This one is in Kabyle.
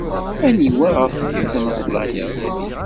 Aniwa ɣef tettmeslayeḍ?